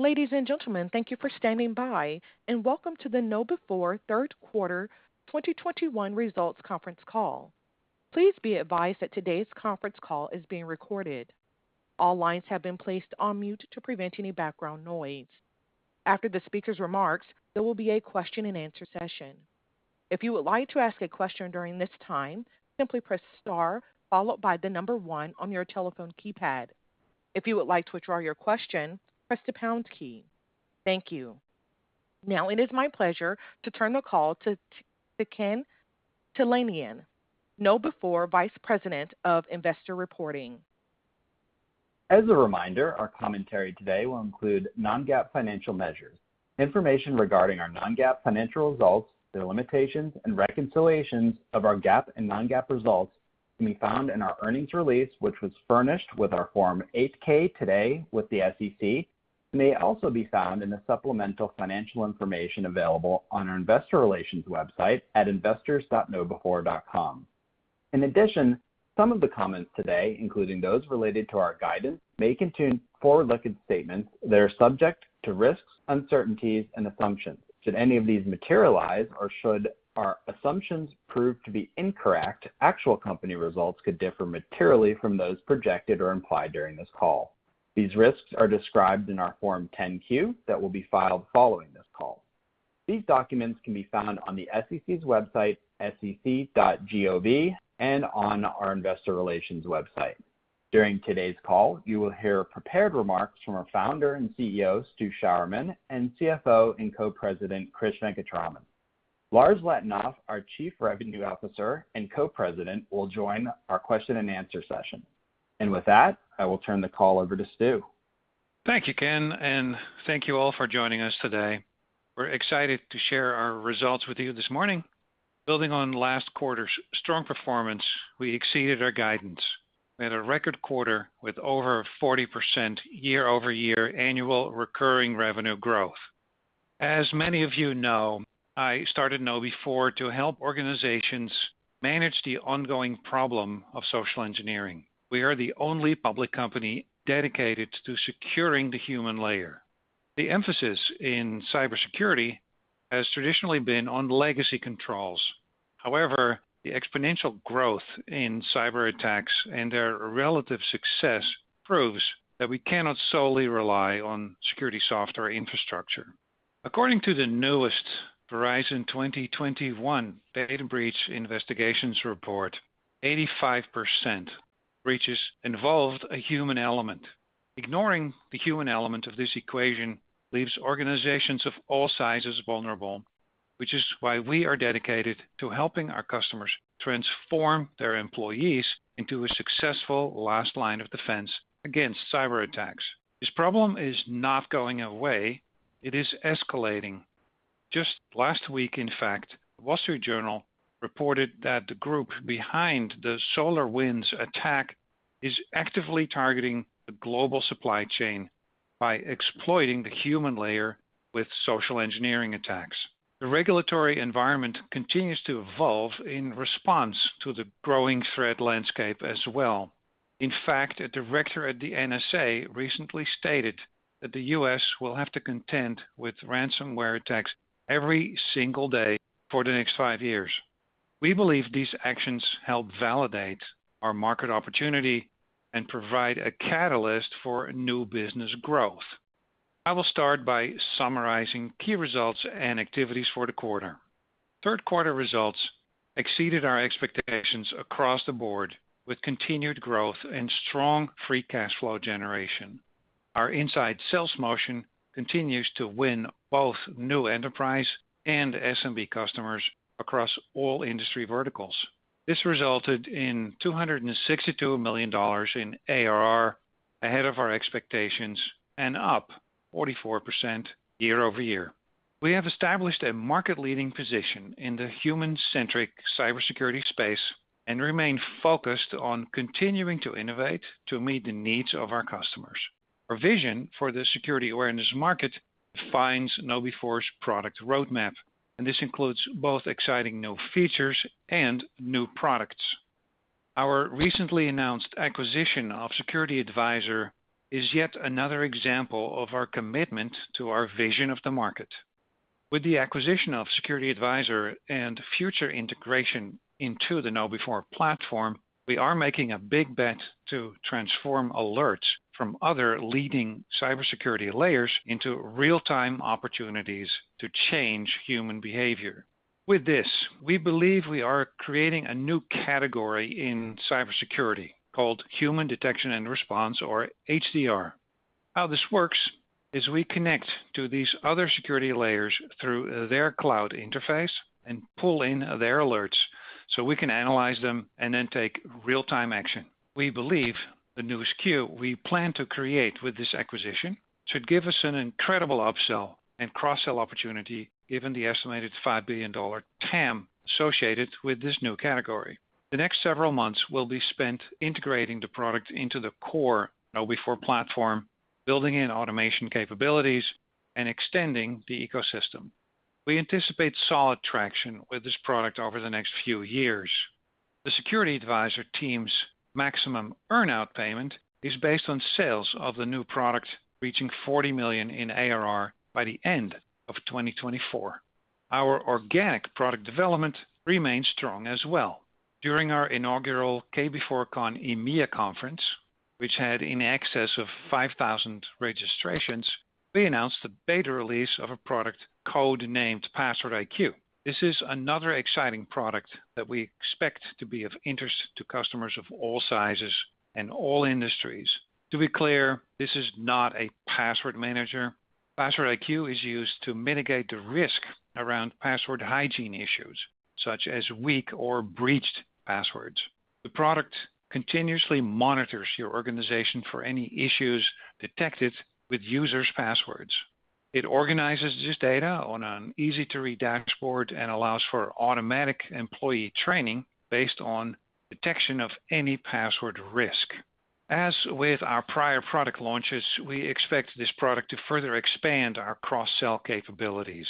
Ladies and gentlemen, thank you for standing by, and welcome to the KnowBe4 Third Quarter 2021 Results Conference Call. Please be advised that today's conference call is being recorded. All lines have been placed on mute to prevent any background noise. After the speaker's remarks, there will be a question-and-answer session. If you would like to ask a question during this time, simply press star followed by the number one on your telephone keypad. If you would like to withdraw your question, press the pound key. Thank you. Now it is my pleasure to turn the call to Ken Talanian, KnowBe4 Vice President of Investor Reporting. As a reminder, our commentary today will include non-GAAP financial measures. Information regarding our non-GAAP financial results, their limitations and reconciliations of our GAAP and non-GAAP results can be found in our earnings release, which was furnished with our Form 8-K today with the SEC, and may also be found in the supplemental financial information available on our Investor Relations website at investors.knowbe4.com. In addition, some of the comments today, including those related to our guidance, may contain forward-looking statements that are subject to risks, uncertainties and assumptions. Should any of these materialize or should our assumptions prove to be incorrect, actual company results could differ materially from those projected or implied during this call. These risks are described in our Form 10-Q that will be filed following this call. These documents can be found on the SEC's website, sec.gov, and on our Investor Relations website. During today's call, you will hear prepared remarks from our Founder and CEO, Stu Sjouwerman, and CFO and Co-President, Krish Venkataraman. Lars Letonoff, our Chief Revenue Officer and Co-President, will join our question-and-answer session. With that, I will turn the call over to Stu. Thank you, Ken, and thank you all for joining us today. We're excited to share our results with you this morning. Building on last quarter's strong performance, we exceeded our guidance. We had a record quarter with over 40% year-over-year annual recurring revenue growth. As many of you know, I started KnowBe4 to help organizations manage the ongoing problem of social engineering. We are the only public company dedicated to securing the human layer. The emphasis in cybersecurity has traditionally been on legacy controls. However, the exponential growth in cyberattacks and their relative success proves that we cannot solely rely on security software infrastructure. According to the newest Verizon 2021 Data Breach Investigations Report, 85% breaches involved a human element. Ignoring the human element of this equation leaves organizations of all sizes vulnerable, which is why we are dedicated to helping our customers transform their employees into a successful last line of defense against cyberattacks. This problem is not going away. It is escalating. Just last week, in fact, Wall Street Journal reported that the group behind the SolarWinds attack is actively targeting the global supply chain by exploiting the human layer with social engineering attacks. The regulatory environment continues to evolve in response to the growing threat landscape as well. In fact, a director at the NSA recently stated that the U.S. will have to contend with ransomware attacks every single day for the next five years. We believe these actions help validate our market opportunity and provide a catalyst for new business growth. I will start by summarizing key results and activities for the quarter. Third quarter results exceeded our expectations across the board, with continued growth and strong free cash flow generation. Our inside sales motion continues to win both new enterprise and SMB customers across all industry verticals. This resulted in $262 million in ARR, ahead of our expectations, and up 44% year-over-year. We have established a market-leading position in the human-centric cybersecurity space and remain focused on continuing to innovate to meet the needs of our customers. Our vision for the security awareness market defines KnowBe4's product roadmap, and this includes both exciting new features and new products. Our recently announced acquisition of SecurityAdvisor is yet another example of our commitment to our vision of the market. With the acquisition of SecurityAdvisor and future integration into the KnowBe4 platform, we are making a big bet to transform alerts from other leading cybersecurity layers into real-time opportunities to change human behavior. With this, we believe we are creating a new category in cybersecurity called Human Detection and Response, or HDR. How this works is we connect to these other security layers through their cloud interface and pull in their alerts so we can analyze them and then take real-time action. We believe the newest SKU we plan to create with this acquisition should give us an incredible upsell and cross-sell opportunity given the estimated $5 billion TAM associated with this new category. The next several months will be spent integrating the product into the core KnowBe4 platform, building in automation capabilities, and extending the ecosystem. We anticipate solid traction with this product over the next few years. The SecurityAdvisor team's maximum earn-out payment is based on sales of the new product reaching $40 million in ARR by the end of 2024. Our organic product development remains strong as well. During our inaugural KB4-CON EMEA conference, which had in excess of 5,000 registrations, we announced the beta release of a product code-named PasswordIQ. This is another exciting product that we expect to be of interest to customers of all sizes and all industries. To be clear, this is not a password manager. PasswordIQ is used to mitigate the risk around password hygiene issues, such as weak or breached passwords. The product continuously monitors your organization for any issues detected with users' passwords. It organizes this data on an easy-to-read dashboard and allows for automatic employee training based on detection of any password risk. As with our prior product launches, we expect this product to further expand our cross-sell capabilities.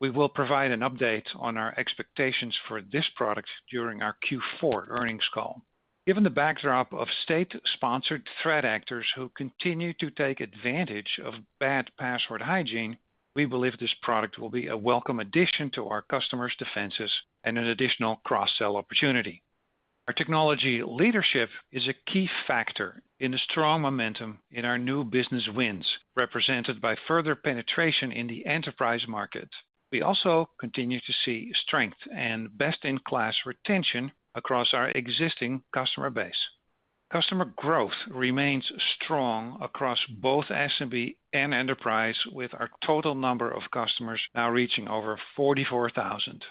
We will provide an update on our expectations for this product during our Q4 earnings call. Given the backdrop of state-sponsored threat actors who continue to take advantage of bad password hygiene, we believe this product will be a welcome addition to our customers' defenses and an additional cross-sell opportunity. Our technology leadership is a key factor in the strong momentum in our new business wins, represented by further penetration in the enterprise market. We also continue to see strength and best-in-class retention across our existing customer base. Customer growth remains strong across both SMB and enterprise, with our total number of customers now reaching over 44,000.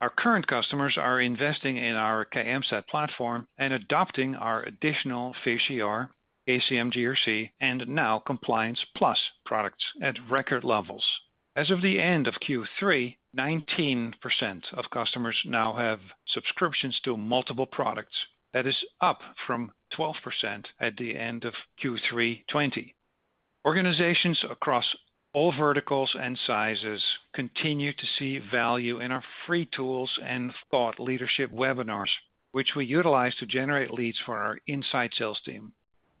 Our current customers are investing in our KMSAT platform and adopting our additional PhishER, KCM GRC, and now Compliance Plus products at record levels. As of the end of Q3, 19% of customers now have subscriptions to multiple products. That is up from 12% at the end of Q3 2020. Organizations across all verticals and sizes continue to see value in our free tools and thought leadership webinars, which we utilize to generate leads for our inside sales team.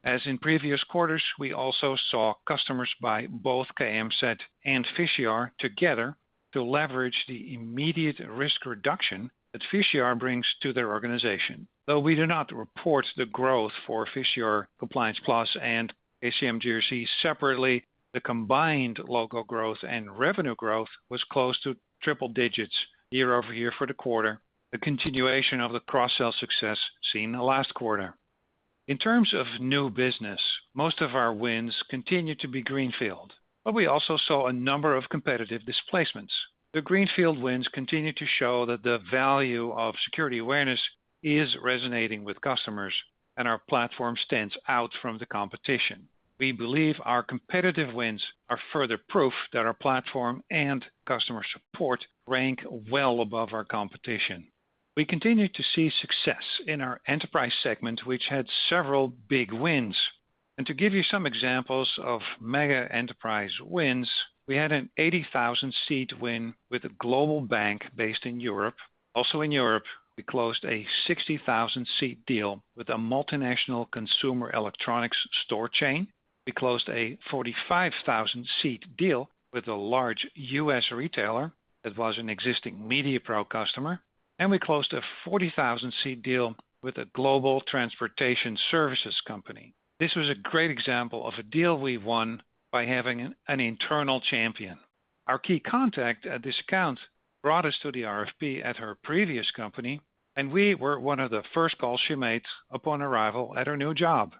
As in previous quarters, we also saw customers buy both KMSAT and PhishER together to leverage the immediate risk reduction that PhishER brings to their organization. Though we do not report the growth for PhishER, Compliance Plus, and KCM GRC separately, the combined local growth and revenue growth was close to triple digits year-over-year for the quarter, a continuation of the cross-sell success seen last quarter. In terms of new business, most of our wins continue to be greenfield, but we also saw a number of competitive displacements. The greenfield wins continue to show that the value of security awareness is resonating with customers and our platform stands out from the competition. We believe our competitive wins are further proof that our platform and customer support rank well above our competition. We continue to see success in our enterprise segment, which had several big wins. To give you some examples of mega enterprise wins, we had an 80,000-seat win with a global bank based in Europe. Also in Europe, we closed a 60,000-seat deal with a multinational consumer electronics store chain. We closed a 45,000-seat deal with a large U.S. retailer that was an existing MediaPRO customer, and we closed a 40,000-seat deal with a global transportation services company. This was a great example of a deal we won by having an internal champion. Our key contact at this account brought us to the RFP at her previous company, and we were one of the first calls she made upon arrival at her new job.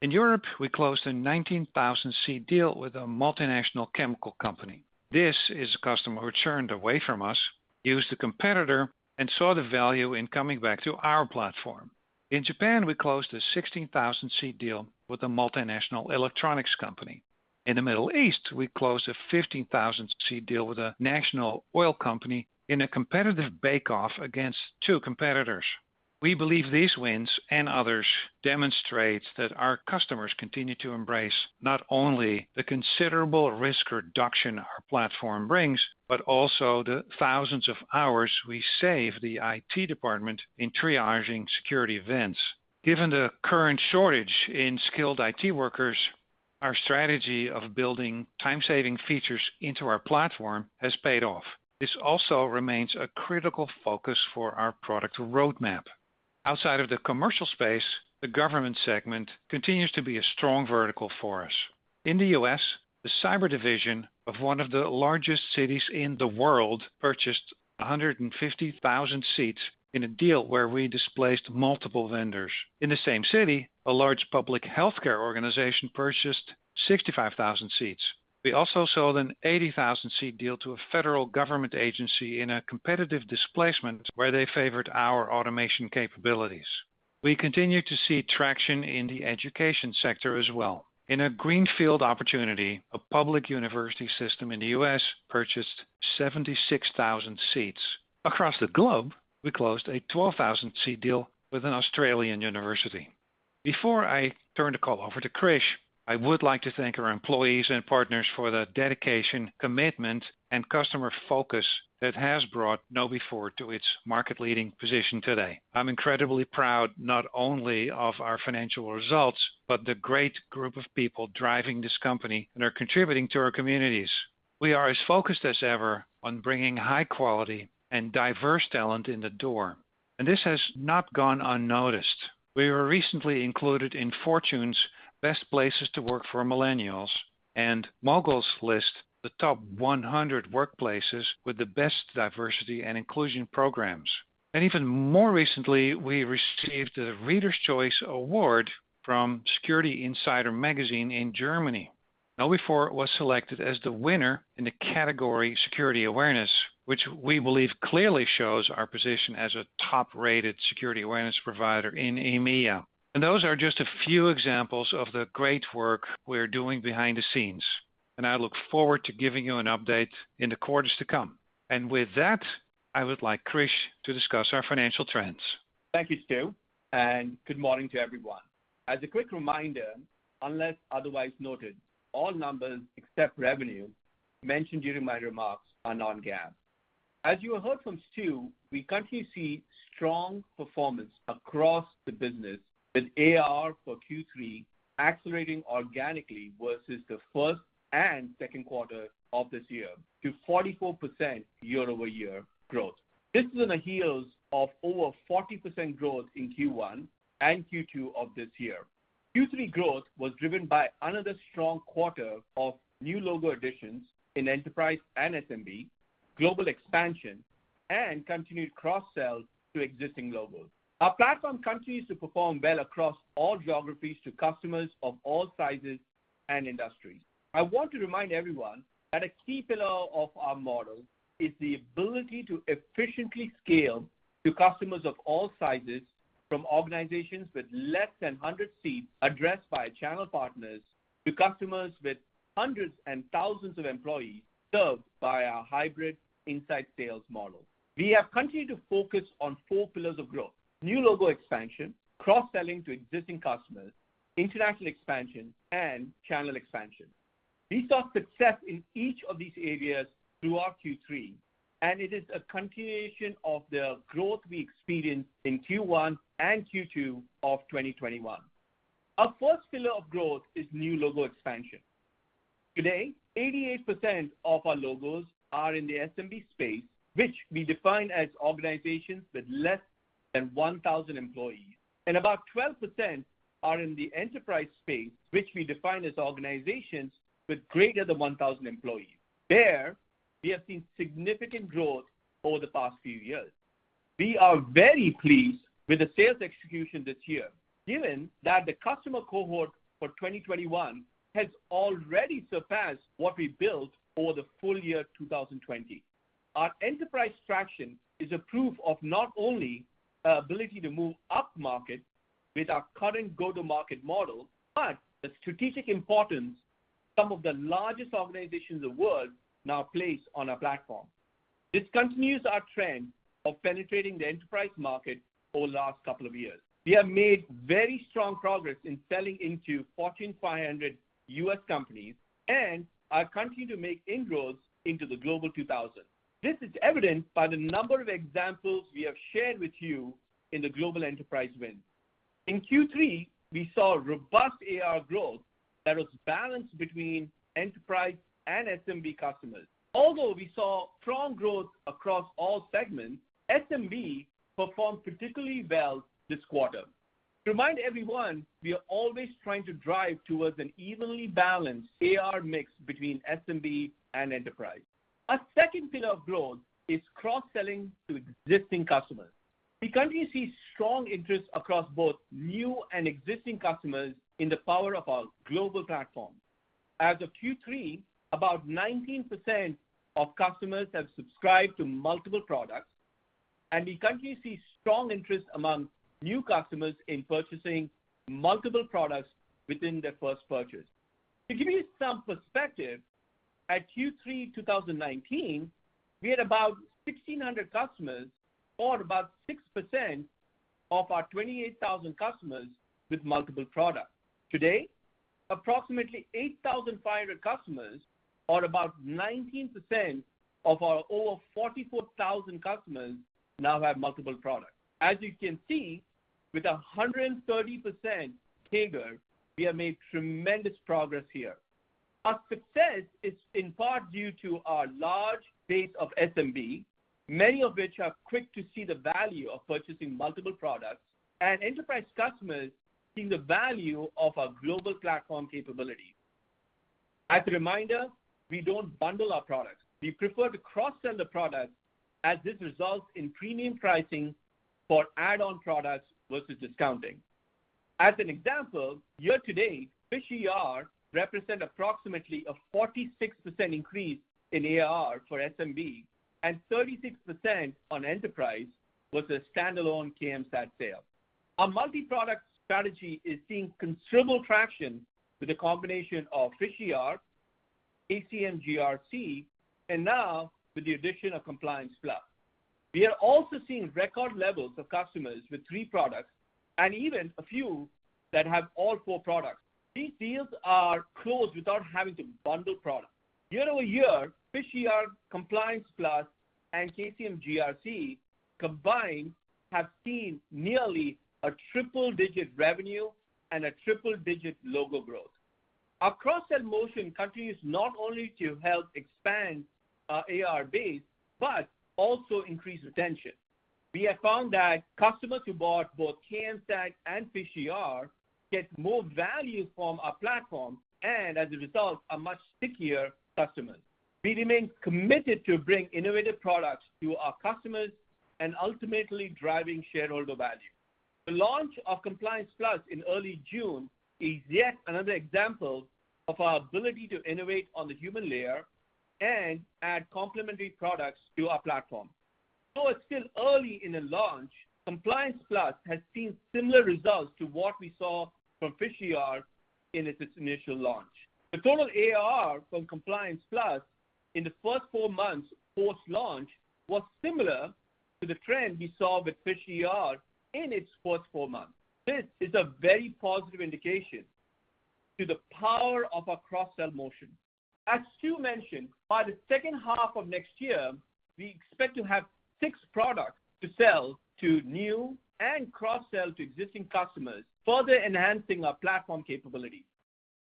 In Europe, we closed a 19,000-seat deal with a multinational chemical company. This is a customer who turned away from us, used a competitor, and saw the value in coming back to our platform. In Japan, we closed a 16,000-seat deal with a multinational electronics company. In the Middle East, we closed a 15,000-seat deal with a national oil company in a competitive bake-off against two competitors. We believe these wins and others demonstrate that our customers continue to embrace not only the considerable risk reduction our platform brings, but also the thousands of hours we save the IT department in triaging security events. Given the current shortage in skilled IT workers, our strategy of building time-saving features into our platform has paid off. This also remains a critical focus for our product roadmap. Outside of the commercial space, the government segment continues to be a strong vertical for us. In the U.S., the cyber division of one of the largest cities in the world purchased 150,000 seats in a deal where we displaced multiple vendors. In the same city, a large public healthcare organization purchased 65,000 seats. We also sold an 80,000-seat deal to a federal government agency in a competitive displacement where they favored our automation capabilities. We continue to see traction in the education sector as well. In a greenfield opportunity, a public university system in the U.S. purchased 76,000 seats. Across the globe, we closed a 12,000-seat deal with an Australian university. Before I turn the call over to Krish, I would like to thank our employees and partners for the dedication, commitment, and customer focus that has brought KnowBe4 to its market-leading position today. I'm incredibly proud not only of our financial results, but the great group of people driving this company and are contributing to our communities. We are as focused as ever on bringing high quality and diverse talent in the door, and this has not gone unnoticed. We were recently included in Fortune's Best Places to Work for Millennials and Mogul's list, the Top 100 Workplaces with the Best Diversity and Inclusion Programs. Even more recently, we received the Readers' Choice Award from Security-Insider magazine in Germany. KnowBe4 was selected as the winner in the category Security Awareness, which we believe clearly shows our position as a top-rated security awareness provider in EMEA. Those are just a few examples of the great work we're doing behind the scenes. I look forward to giving you an update in the quarters to come. With that, I would like Krish to discuss our financial trends. Thank you, Stu, and good morning to everyone. As a quick reminder, unless otherwise noted, all numbers except revenue mentioned during my remarks are non-GAAP. As you have heard from Stu, we currently see strong performance across the business with ARR for Q3 accelerating organically versus the first and second quarter of this year to 44% year-over-year growth. This is on the heels of over 40% growth in Q1 and Q2 of this year. Q3 growth was driven by another strong quarter of new logo additions in enterprise and SMB, global expansion, and continued cross-sells to existing logos. Our platform continues to perform well across all geographies to customers of all sizes and industries. I want to remind everyone that a key pillar of our model is the ability to efficiently scale to customers of all sizes from organizations with less than 100 seats addressed by our channel partners to customers with hundreds and thousands of employees served by our hybrid inside sales model. We have continued to focus on four pillars of growth: new logo expansion, cross-selling to existing customers, international expansion, and channel expansion. We saw success in each of these areas throughout Q3, and it is a continuation of the growth we experienced in Q1 and Q2 of 2021. Our first pillar of growth is new logo expansion. Today, 88% of our logos are in the SMB space, which we define as organizations with less than 1,000 employees. About 12% are in the enterprise space, which we define as organizations with greater than 1,000 employees. There, we have seen significant growth over the past few years. We are very pleased with the sales execution this year, given that the customer cohort for 2021 has already surpassed what we built for the full-year 2020. Our enterprise traction is a proof of not only our ability to move upmarket with our current go-to-market model, but the strategic importance some of the largest organizations in the world now place on our platform. This continues our trend of penetrating the enterprise market over the last couple of years. We have made very strong progress in selling into Fortune 500 U.S. companies and are continuing to make inroads into the Global 2000. This is evident by the number of examples we have shared with you in the global enterprise wins. In Q3, we saw robust ARR growth that was balanced between enterprise and SMB customers. Although we saw strong growth across all segments, SMB performed particularly well this quarter. To remind everyone, we are always trying to drive towards an evenly balanced ARR mix between SMB and enterprise. Our second pillar of growth is cross-selling to existing customers. We continue to see strong interest across both new and existing customers in the power of our global platform. As of Q3, about 19% of customers have subscribed to multiple products, and we continue to see strong interest among new customers in purchasing multiple products within their first purchase. To give you some perspective, at Q3 2019, we had about 1,600 customers or about 6% of our 28,000 customers with multiple products. Today, approximately 8,500 customers or about 19% of our over 44,000 customers now have multiple products. As you can see, with a 130% trigger, we have made tremendous progress here. Our success is in part due to our large base of SMB, many of which are quick to see the value of purchasing multiple products and enterprise customers seeing the value of our global platform capability. As a reminder, we don't bundle our products. We prefer to cross-sell the products as this results in premium pricing for add-on products versus discounting. As an example, year-to-date, PhishER represents approximately a 46% increase in ARR for SMB and 36% on enterprise with a standalone KMSAT sale. Our multi-product strategy is seeing considerable traction with the combination of PhishER, KCM GRC, and now with the addition of Compliance Plus. We are also seeing record levels of customers with three products and even a few that have all four products. These deals are closed without having to bundle products. Year-over-year, PhishER, Compliance Plus, and KCM GRC combined have seen nearly a triple-digit revenue and a triple-digit logo growth. Our cross-sell motion continues not only to help expand our ARR base, but also increase retention. We have found that customers who bought both KMSAT and PhishER get more value from our platform, and as a result, are much stickier customers. We remain committed to bring innovative products to our customers and ultimately driving shareholder value. The launch of Compliance Plus in early June is yet another example of our ability to innovate on the human layer and add complementary products to our platform. Though it's still early in the launch, Compliance Plus has seen similar results to what we saw from PhishER in its initial launch. The total ARR from Compliance Plus in the first four months post-launch was similar to the trend we saw with PhishER in its first four months. This is a very positive indication to the power of our cross-sell motion. As Stu mentioned, by the second half of next year, we expect to have six products to sell to new and cross-sell to existing customers, further enhancing our platform capability.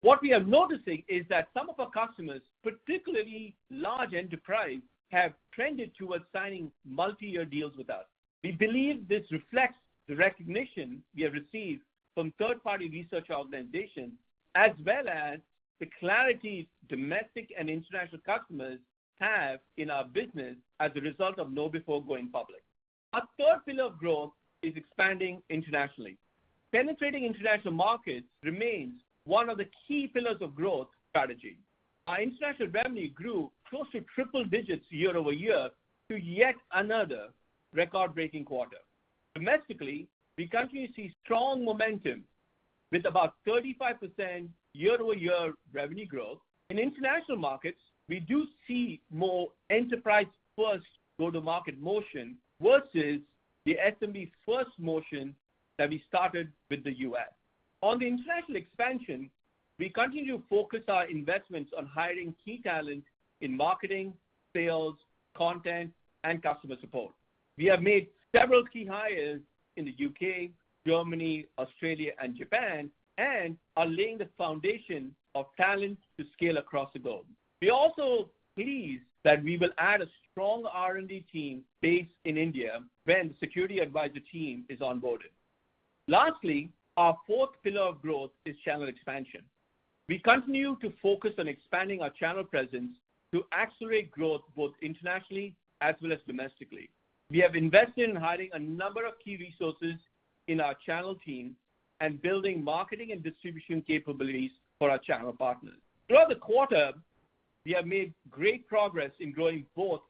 What we are noticing is that some of our customers, particularly large enterprise, have trended towards signing multi-year deals with us. We believe this reflects the recognition we have received from third-party research organizations, as well as the clarity domestic and international customers have in our business as a result of KnowBe4 going public. Our third pillar of growth is expanding internationally. Penetrating international markets remains one of the key pillars of growth strategy. Our international revenue grew close to triple-digits year-over-year to yet another record-breaking quarter. Domestically, we continue to see strong momentum with about 35% year-over-year revenue growth. In international markets, we do see more enterprise first go-to-market motion versus the SMB first motion that we started with the U.S. On the international expansion, we continue to focus our investments on hiring key talent in marketing, sales, content, and customer support. We have made several key hires in the U.K., Germany, Australia, and Japan, and are laying the foundation of talent to scale across the globe. We're also pleased that we will add a strong R&D team based in India when the SecurityAdvisor team is onboarded. Lastly, our fourth pillar of growth is channel expansion. We continue to focus on expanding our channel presence to accelerate growth, both internationally as well as domestically. We have invested in hiring a number of key resources in our channel team and building marketing and distribution capabilities for our channel partners. Throughout the quarter, we have made great progress in growing both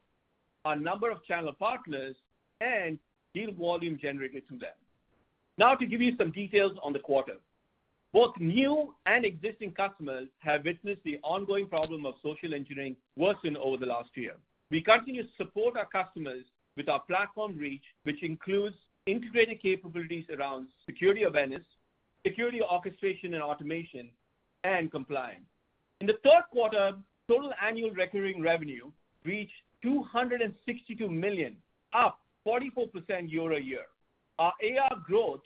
our number of channel partners and deal volume generated through them. Now to give you some details on the quarter. Both new and existing customers have witnessed the ongoing problem of social engineering worsened over the last year. We continue to support our customers with our platform reach, which includes integrated capabilities around security awareness, security orchestration and automation, and compliance. In the third quarter, total annual recurring revenue reached $262 million, up 44% year-over-year. Our ARR growth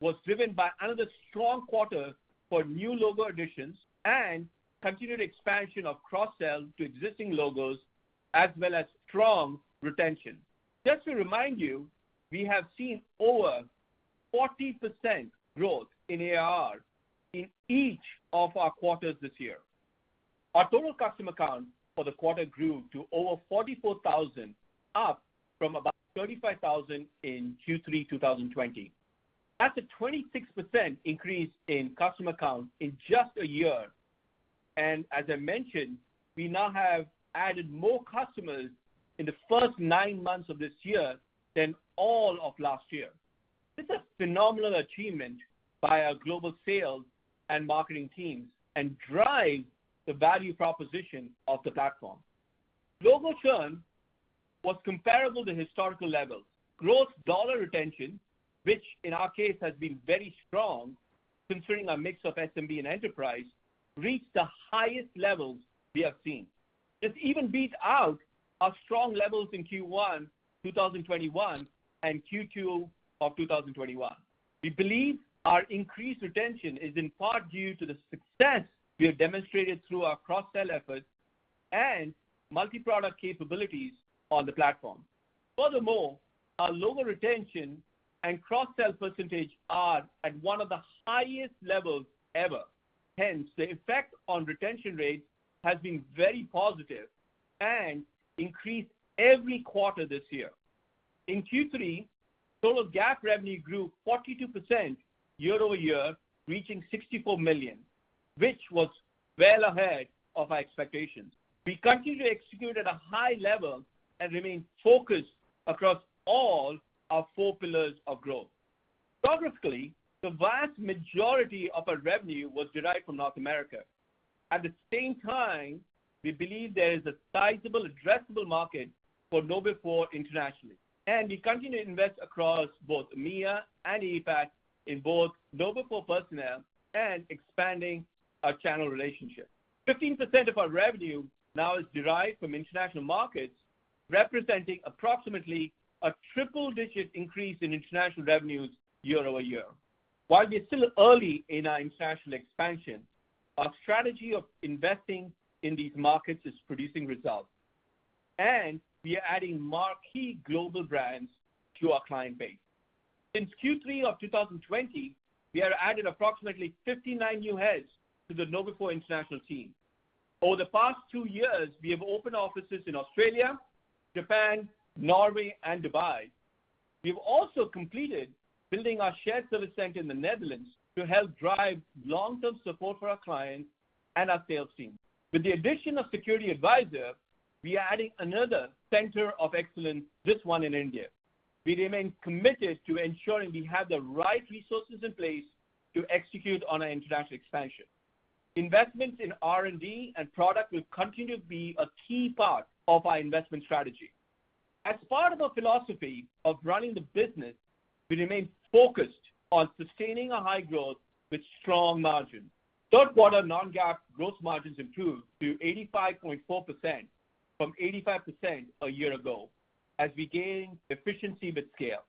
was driven by another strong quarter for new logo additions and continued expansion of cross-sell to existing logos, as well as strong retention. Just to remind you, we have seen over 40% growth in ARR in each of our quarters this year. Our total customer count for the quarter grew to over 44,000, up from about 35,000 in Q3 2020. That's a 26% increase in customer count in just a year and as I mentioned, we now have added more customers in the first nine months of this year than all of last year. This is a phenomenal achievement by our global sales and marketing teams that drive the value proposition of the platform. Global churn was comparable to historical levels. Growth dollar retention, which in our case has been very strong considering our mix of SMB and enterprise, reached the highest levels we have seen. This even beats out our strong levels in Q1 2021 and Q2 of 2021. We believe our increased retention is in part due to the success we have demonstrated through our cross-sell efforts and multi-product capabilities on the platform. Furthermore, our logo retention and cross-sell percentage are at one of the highest levels ever. Hence, the effect on retention rates has been very positive and increased every quarter this year. In Q3, total GAAP revenue grew 42% year-over-year, reaching $64 million, which was well ahead of our expectations. We continue to execute at a high level and remain focused across all our four pillars of growth. Geographically, the vast majority of our revenue was derived from North America. At the same time, we believe there is a sizable addressable market for KnowBe4 internationally. We continue to invest across both EMEA and APAC in both KnowBe4 personnel and expanding our channel relationship. 15% of our revenue now is derived from international markets, representing approximately a triple digit increase in international revenues year-over-year. While we are still early in our international expansion, our strategy of investing in these markets is producing results, and we are adding marquee global brands to our client base. Since Q3 of 2020, we have added approximately 59 new heads to the KnowBe4 international team. Over the past two years, we have opened offices in Australia, Japan, Norway, and Dubai. We've also completed building our shared service center in the Netherlands to help drive long-term support for our clients and our sales team. With the addition of SecurityAdvisor, we are adding another center of excellence, this one in India. We remain committed to ensuring we have the right resources in place to execute on our international expansion. Investments in R&D and product will continue to be a key part of our investment strategy. As part of our philosophy of running the business, we remain focused on sustaining a high growth with strong margin. Third quarter non-GAAP gross margins improved to 85.4% from 85% a year ago as we gain efficiency with scale.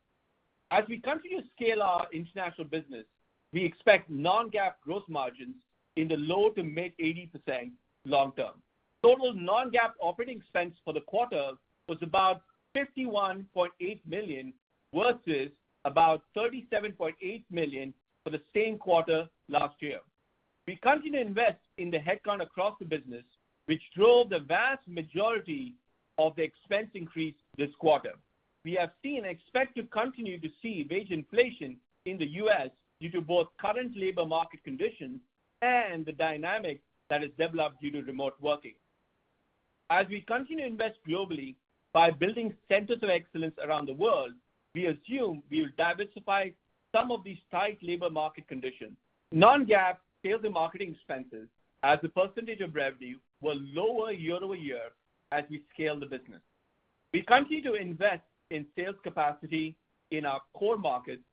As we continue to scale our international business, we expect non-GAAP gross margins in the low- to mid-80% long term. Total non-GAAP operating expense for the quarter was about $51.8 million versus about $37.8 million for the same quarter last year. We continue to invest in the headcount across the business, which drove the vast majority of the expense increase this quarter. We have seen and expect to continue to see wage inflation in the U.S. due to both current labor market conditions and the dynamic that has developed due to remote working. As we continue to invest globally by building centers of excellence around the world, we assume we will diversify some of these tight labor market conditions. Non-GAAP sales and marketing expenses as a percentage of revenue were lower year-over-year as we scale the business. We continue to invest in sales capacity in our core markets,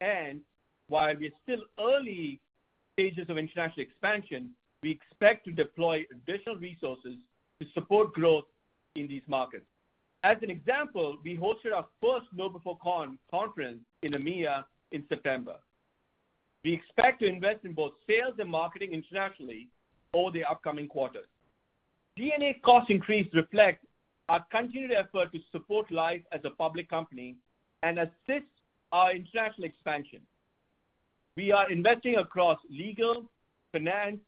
and while we are still early stages of international expansion, we expect to deploy additional resources to support growth in these markets. As an example, we hosted our first KnowBe4 conference in EMEA in September. We expect to invest in both sales and marketing internationally over the upcoming quarters. G&A costs increases reflect our continued effort to support life as a public company and assist our international expansion. We are investing across legal, finance,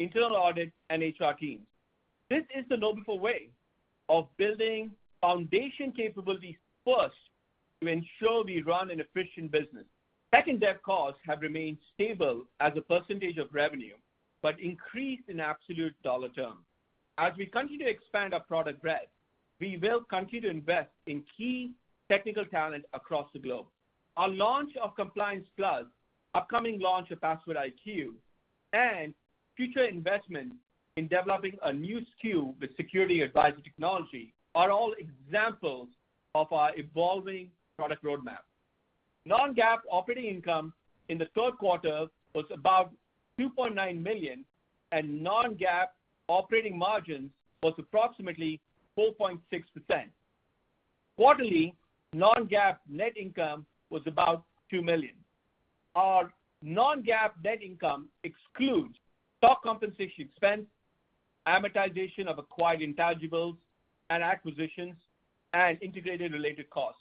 internal audit, and HR teams. This is the KnowBe4 way of building foundation capabilities first to ensure we run an efficient business. Tech and dev costs have remained stable as a percentage of revenue, but increased in absolute dollar terms. As we continue to expand our product breadth, we will continue to invest in key technical talent across the globe. Our launch of Compliance Plus, upcoming launch of PasswordIQ, and future investment in developing a new SKU with SecurityAdvisor technology are all examples of our evolving product roadmap. Non-GAAP operating income in the third quarter was about $2.9 million, and non-GAAP operating margins was approximately 4.6%. Quarterly non-GAAP net income was about $2 million. Our non-GAAP net income excludes stock compensation expense, amortization of acquired intangibles and acquisitions, and integration-related costs.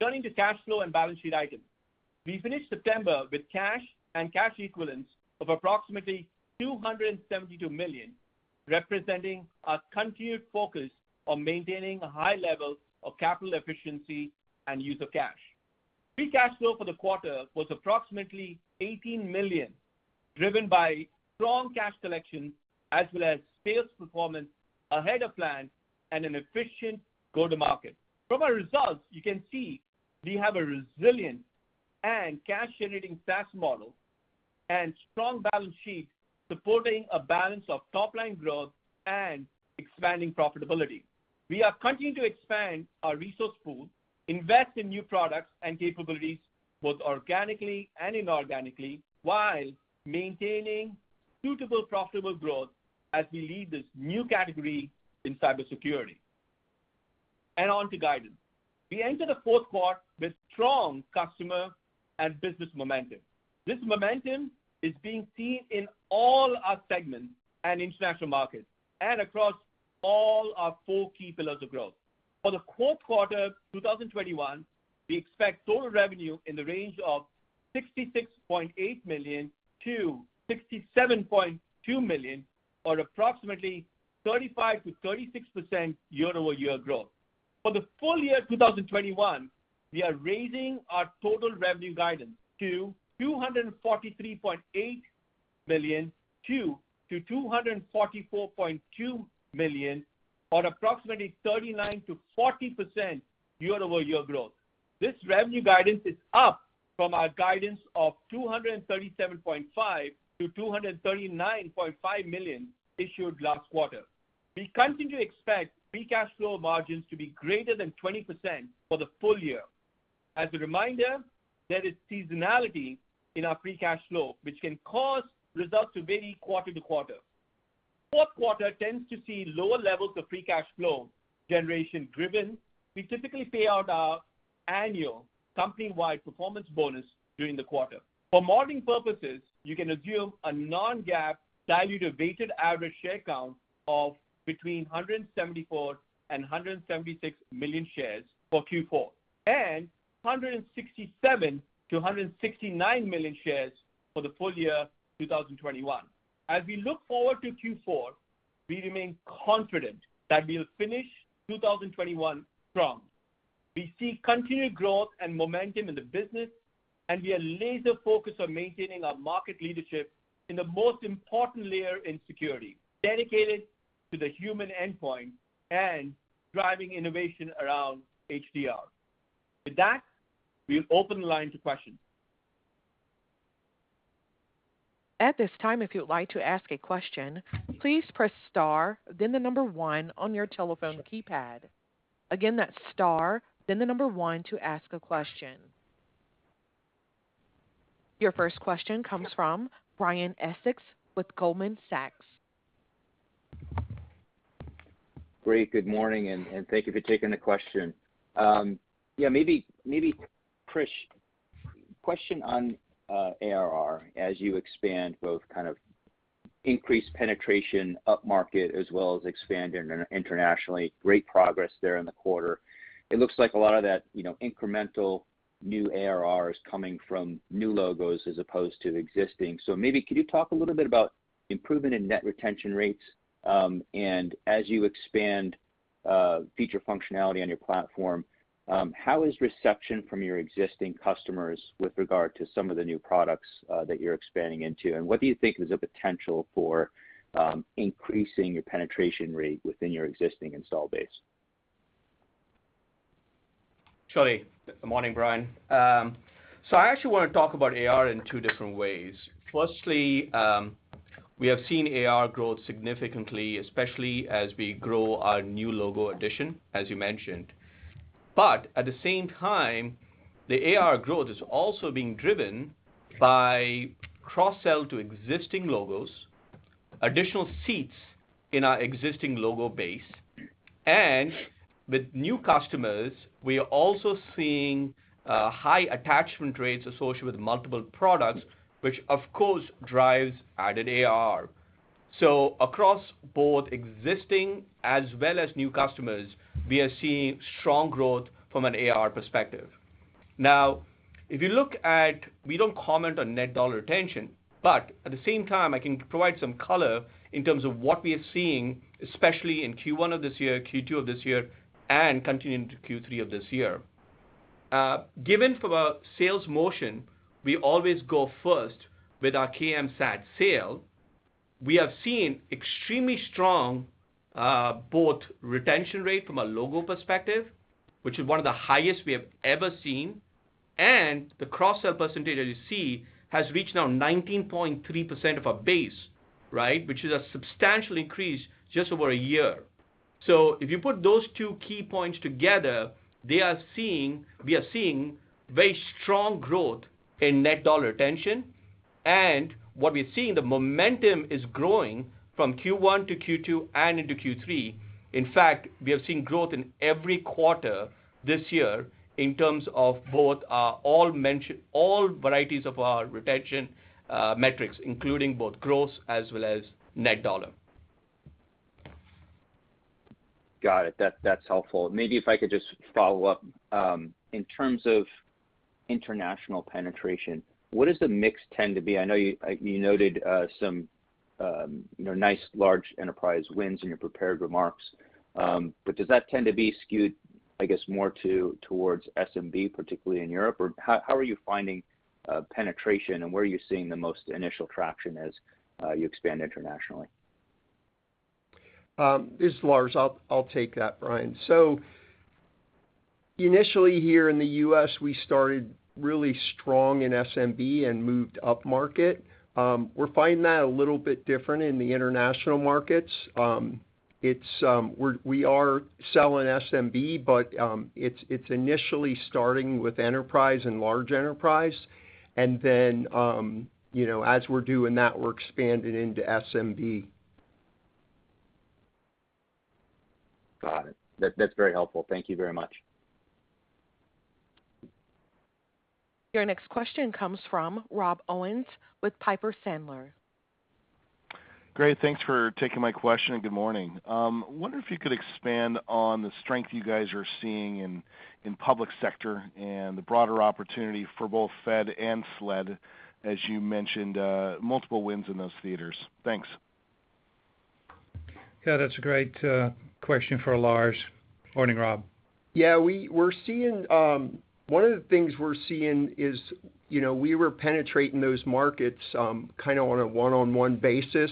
Turning to cash flow and balance sheet items. We finished September with cash and cash equivalents of approximately $272 million, representing our continued focus on maintaining a high level of capital efficiency and use of cash. Free cash flow for the quarter was approximately $18 million, driven by strong cash collection as well as sales performance ahead of plan and an efficient go-to-market. From our results, you can see we have a resilient and cash-generating SaaS model and strong balance sheet supporting a balance of top line growth and expanding profitability. We are continuing to expand our resource pool, invest in new products and capabilities, both organically and inorganically, while maintaining suitable profitable growth as we lead this new category in cybersecurity. On to guidance, we enter the fourth quarter with strong customer and business momentum. This momentum is being seen in all our segments and international markets and across all our four key pillars of growth. For the fourth quarter 2021, we expect total revenue in the range of $66.8 million-$67.2 million, or approximately 35%-36% year-over-year growth. For the full-year 2021, we are raising our total revenue guidance to $243.8 million-$244.2 million or approximately 39%-40% year-over-year growth. This revenue guidance is up from our guidance of $237.5 million-$239.5 million issued last quarter. We continue to expect free cash flow margins to be greater than 20% for the full-year. As a reminder, there is seasonality in our free cash flow, which can cause results to vary quarter-to-quarter. Fourth quarter tends to see lower levels of free cash flow generation driven. We typically pay out our annual company-wide performance bonus during the quarter. For modeling purposes, you can assume a non-GAAP diluted weighted average share count of between 174 million and 176 million shares for Q4, and 167 million to 169 million shares for the full-year 2021. As we look forward to Q4, we remain confident that we'll finish 2021 strong. We see continued growth and momentum in the business, and we are laser-focused on maintaining our market leadership in the most important layer in security, dedicated to the human endpoint and driving innovation around HDR. With that, we'll open the line to questions. At this time, if you would like to ask a question, please press star then the number one on your telephone keypad. Again, that's star then the number one to ask a question. Your first question comes from Brian Essex with Goldman Sachs. Great. Good morning, and thank you for taking the question. Yeah, maybe Krish, question on ARR as you expand both kind of increased penetration upmarket as well as expanding internationally. Great progress there in the quarter. It looks like a lot of that, you know, incremental new ARR is coming from new logos as opposed to existing. So maybe could you talk a little bit about improvement in net retention rates, and as you expand, feature functionality on your platform, how is reception from your existing customers with regard to some of the new products that you're expanding into? What do you think is the potential for increasing your penetration rate within your existing install base? Sure. Good morning, Brian. I actually wanna talk about ARR in two different ways. Firstly, we have seen ARR grow significantly, especially as we grow our new logo addition, as you mentioned. At the same time, the ARR growth is also being driven by cross-sell to existing logos, additional seats in our existing logo base. With new customers, we are also seeing high attachment rates associated with multiple products, which of course drives added ARR. Across both existing as well as new customers, we are seeing strong growth from an ARR perspective. We don't comment on net dollar retention, but at the same time, I can provide some color in terms of what we are seeing, especially in Q1 of this year, Q2 of this year, and continuing to Q3 of this year. Given from a sales motion, we always go first with our KMSAT sale. We have seen extremely strong both retention rate from a logo perspective, which is one of the highest we have ever seen, and the cross-sell percentage that you see has reached now 19.3% of our base, right? Which is a substantial increase just over a year. If you put those two key points together, we are seeing very strong growth in net dollar retention. What we're seeing, the momentum is growing from Q1 to Q2 and into Q3. In fact, we have seen growth in every quarter this year in terms of both our all varieties of our retention metrics, including both gross as well as net dollar. Got it. That's helpful. Maybe if I could just follow up. In terms of international penetration, what does the mix tend to be? I know you, like you noted, some nice large enterprise wins in your prepared remarks. But does that tend to be skewed, I guess, more towards SMB, particularly in Europe? Or how are you finding penetration, and where are you seeing the most initial traction as you expand internationally? This is Lars. I'll take that, Brian. Initially here in the U.S., we started really strong in SMB and moved upmarket. We're finding that a little bit different in the international markets. We are selling SMB, but it's initially starting with enterprise and large enterprise. You know, as we're doing that, we're expanding into SMB. Got it. That, that's very helpful. Thank you very much. Your next question comes from Rob Owens with Piper Sandler. Great. Thanks for taking my question, and good morning. I wonder if you could expand on the strength you guys are seeing in public sector and the broader opportunity for both Fed and SLED, as you mentioned, multiple wins in those theaters. Thanks. Yeah, that's a great question for Lars. Morning, Rob. Yeah, we're seeing one of the things we're seeing is, you know, we were penetrating those markets kinda on a one-on-one basis,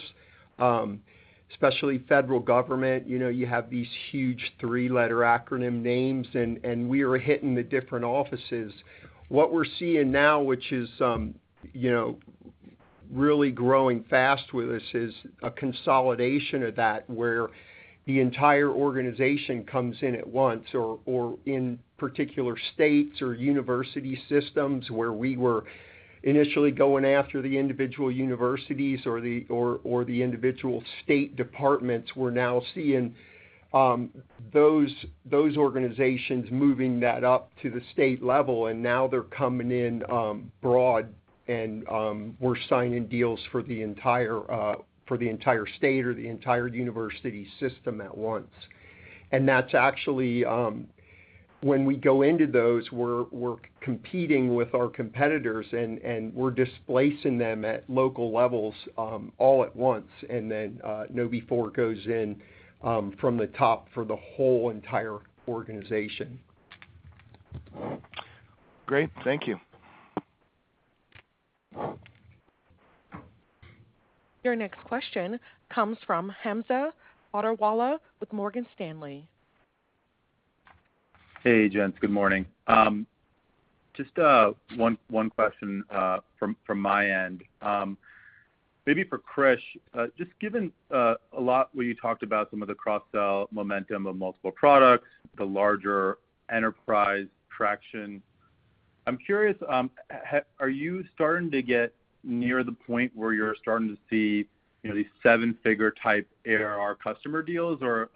especially federal government. You know, you have these huge three-letter acronym names, and we are hitting the different offices. What we're seeing now, which is, you know, really growing fast with us, is a consolidation of that, where the entire organization comes in at once or in particular states or university systems where we were initially going after the individual universities or the individual state departments. We're now seeing those organizations moving that up to the state level, and now they're coming in broad, and we're signing deals for the entire state or the entire university system at once. That's actually when we go into those. We're competing with our competitors and we're displacing them at local levels all at once, and then KnowBe4 goes in from the top for the whole entire organization. Great. Thank you. Your next question comes from Hamza Fodderwala with Morgan Stanley. Hey, gents. Good morning. Just one question from my end. Maybe for Krish, just given a lot where you talked about some of the cross-sell momentum of multiple products, the larger enterprise traction, I'm curious, are you starting to get near the point where you're starting to see, you know, these seven-figure type ARR customer deals? Or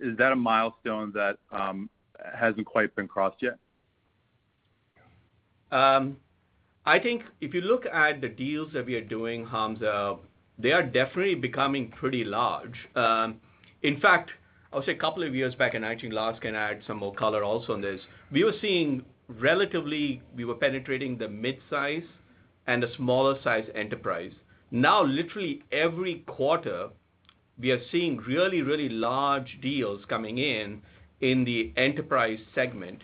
is that a milestone that hasn't quite been crossed yet? I think if you look at the deals that we are doing, Hamza, they are definitely becoming pretty large. In fact, I would say a couple of years back, and actually Lars can add some more color also on this, we were penetrating the mid-size and the smaller size enterprise. Now, literally every quarter, we are seeing really, really large deals coming in the enterprise segment.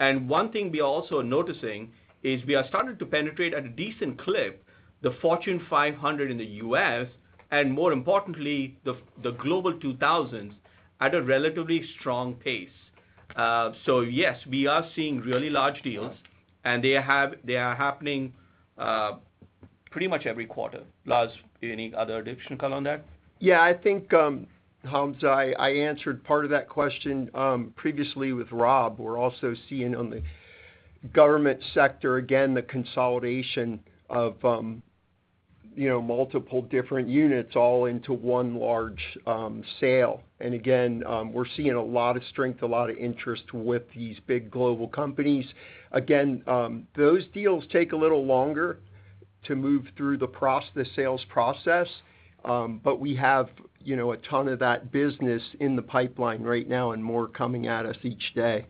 One thing we are also noticing is we are starting to penetrate at a decent clip the Fortune 500 in the U.S. and more importantly, the Global 2000 at a relatively strong pace. Yes, we are seeing really large deals, and they are happening pretty much every quarter. Lars, any other additional color on that? Yeah, I think, Hamza, I answered part of that question previously with Rob. We're also seeing on the government sector, again, the consolidation of, you know, multiple different units all into one large sale. Again, we're seeing a lot of strength, a lot of interest with these big global companies. Those deals take a little longer to move through the sales process, but we have, you know, a ton of that business in the pipeline right now and more coming at us each day.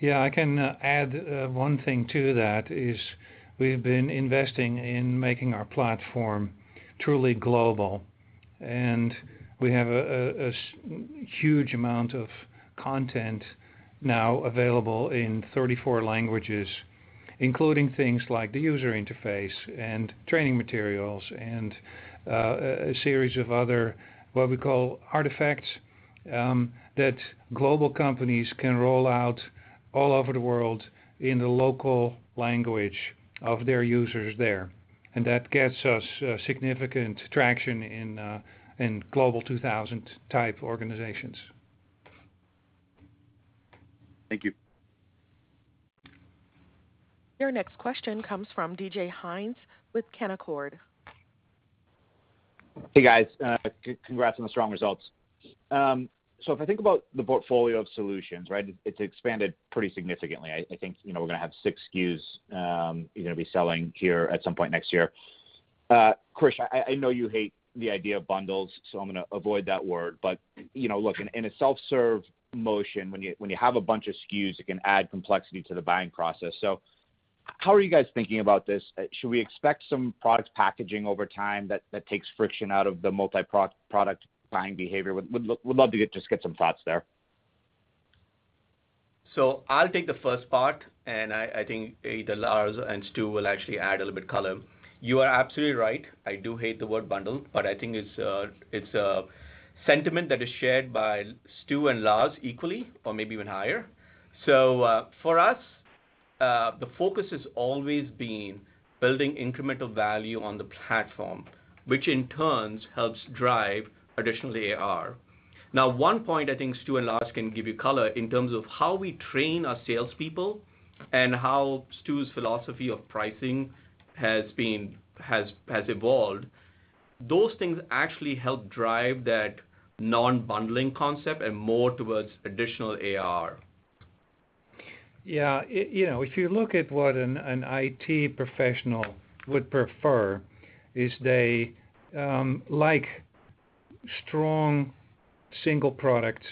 Yeah, I can add one thing to that, is we've been investing in making our platform truly global. We have a huge amount of content now available in 34 languages, including things like the user interface and training materials and a series of other, what we call artifacts, that global companies can roll out all over the world in the local language of their users there. That gets us significant traction in Global 2000-type organizations. Thank you. Your next question comes from DJ Hynes with Canaccord. Hey, guys. Congrats on the strong results. If I think about the portfolio of solutions, right, it's expanded pretty significantly. I think, you know, we're gonna have six SKUs you're gonna be selling here at some point next year. Krish, I know you hate the idea of bundles, so I'm gonna avoid that word. You know, look, in a self-serve motion, when you have a bunch of SKUs, it can add complexity to the buying process. How are you guys thinking about this? Should we expect some product packaging over time that takes friction out of the multi-product buying behavior? Would love to get just some thoughts there. I'll take the first part. I think either Lars and Stu will actually add a little bit color. You are absolutely right. I do hate the word bundle, but I think it's a sentiment that is shared by Stu and Lars equally, or maybe even higher. For us, the focus has always been building incremental value on the platform, which in turn helps drive additional ARR. Now, one point I think Stu and Lars can give you color in terms of how we train our salespeople and how Stu's philosophy of pricing has evolved. Those things actually help drive that non-bundling concept and more towards additional ARR. Yeah. You know, if you look at what an IT professional would prefer, is they like strong single products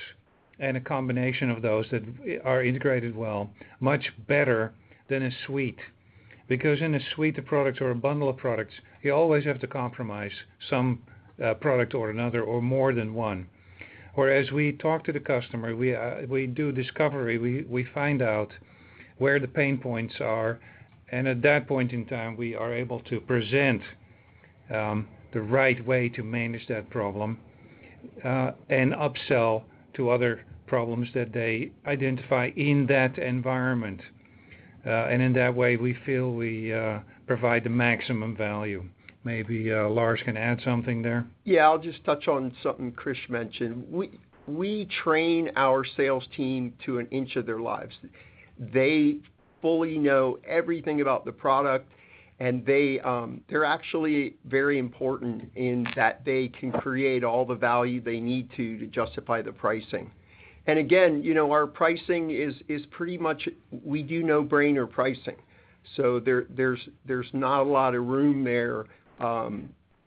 and a combination of those that are integrated well, much better than a suite. Because in a suite of products or a bundle of products, you always have to compromise some product or another or more than one. Whereas we talk to the customer, we do discovery, we find out where the pain points are and at that point in time, we are able to present the right way to manage that problem and upsell to other problems that they identify in that environment. In that way, we feel we provide the maximum value. Maybe Lars can add something there. Yeah. I'll just touch on something Krish mentioned. We train our sales team to an inch of their lives. They fully know everything about the product, and they're actually very important in that they can create all the value they need to justify the pricing. Again, you know, our pricing is pretty much we do no-brainer pricing. There's not a lot of room there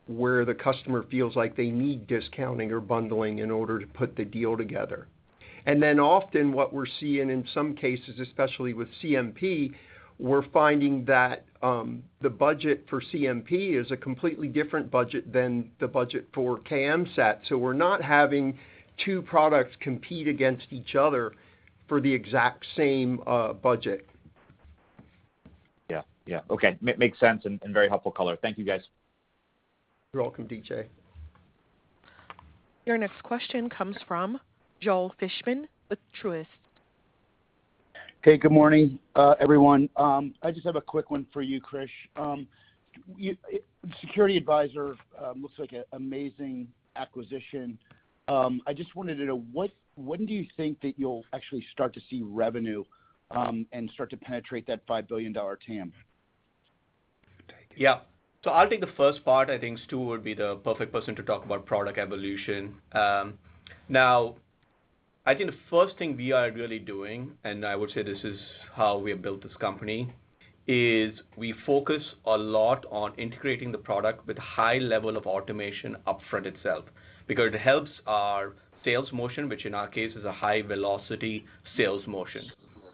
where the customer feels like they need discounting or bundling in order to put the deal together. Then often what we're seeing in some cases, especially with CMP, we're finding that the budget for CMP is a completely different budget than the budget for KMSAT. We're not having two products compete against each other for the exact same budget. Yeah. Yeah. Okay. Makes sense and very helpful color. Thank you, guys. You're welcome, DJ. Your next question comes from Joel Fishbein with Truist. Hey, good morning, everyone. I just have a quick one for you, Krish. SecurityAdvisor looks like an amazing acquisition. I just wanted to know, when do you think that you'll actually start to see revenue, and start to penetrate that $5 billion TAM? Take it. Yeah. I'll take the first part. I think Stu would be the perfect person to talk about product evolution. Now, I think the first thing we are really doing, and I would say this is how we have built this company, is we focus a lot on integrating the product with high level of automation upfront itself because it helps our sales motion, which in our case is a high velocity sales motion.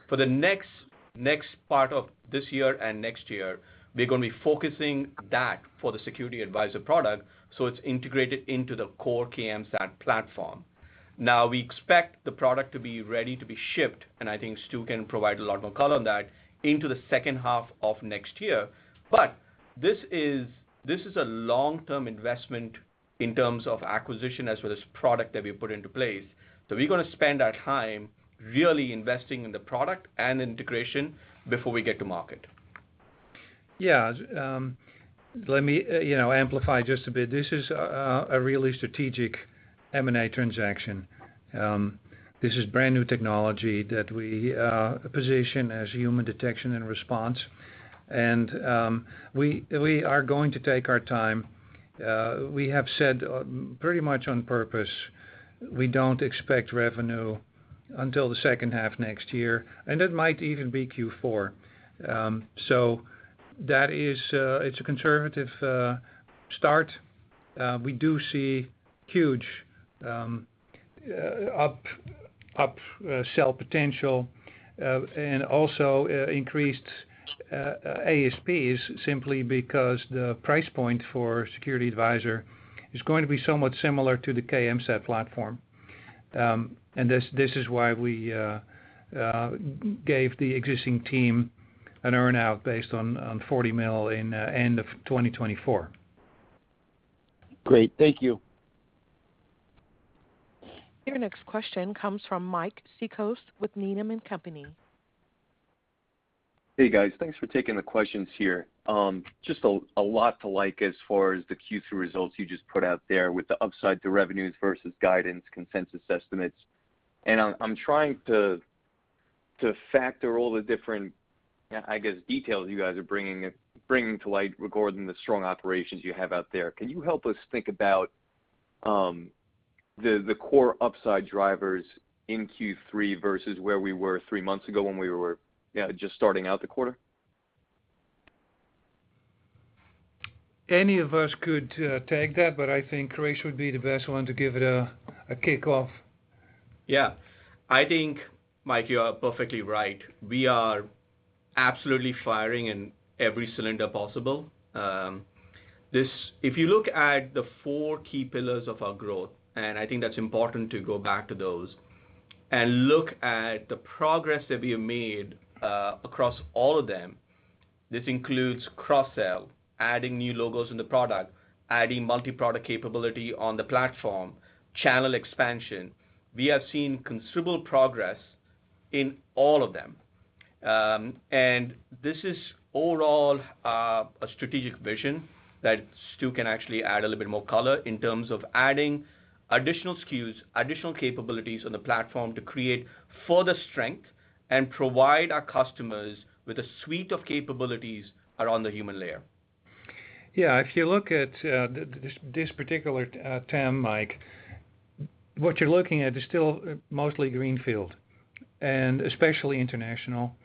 For the next part of this year and next year, we're gonna be focusing that for the SecurityAdvisor product, so it's integrated into the core KMSAT platform. Now, we expect the product to be ready to be shipped, and I think Stu can provide a lot more color on that, into the second half of next year. This is a long-term investment in terms of acquisition as well as product that we put into place. We're gonna spend our time really investing in the product and integration before we get to market. Yeah. Let me, you know, amplify just a bit. This is a really strategic M&A transaction. This is brand-new technology that we position as Human Detection and Response. We are going to take our time. We have said pretty much on purpose, we don't expect revenue until the second half next year, and it might even be Q4. That is, it's a conservative start. We do see huge upsell potential and also increased ASPs simply because the price point for SecurityAdvisor is going to be somewhat similar to the KMSAT platform. This is why we gave the existing team an earn-out based on $40 million by the end of 2024. Great. Thank you. Your next question comes from Mike Cikos with Needham & Company. Hey, guys. Thanks for taking the questions here. Just a lot to like as far as the Q3 results you just put out there with the upside to revenues versus guidance consensus estimates. I'm trying to factor all the different, I guess, details you guys are bringing to light regarding the strong operations you have out there. Can you help us think about the core upside drivers in Q3 versus where we were three months ago when we were, you know, just starting out the quarter? Any of us could take that, but I think Krish would be the best one to give it a kickoff. Yeah. I think, Mike, you are perfectly right. We are absolutely firing in every cylinder possible. If you look at the four key pillars of our growth and I think that's important to go back to those, and look at the progress that we have made, across all of them, this includes cross-sell, adding new logos in the product, adding multi-product capability on the platform, channel expansion. We have seen considerable progress in all of them. This is overall, a strategic vision that Stu can actually add a little bit more color in terms of adding additional SKUs, additional capabilities on the platform to create further strength and provide our customers with a suite of capabilities around the human layer. Yeah. If you look at this particular TAM, Mike, what you're looking at is still mostly greenfield. Especially international,